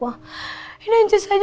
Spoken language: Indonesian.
wah ini aja saja